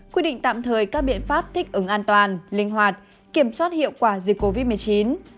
quy định tạm thời các biện pháp thích ứng an toàn linh hoạt kiểm soát hiệu quả dịch covid một mươi chín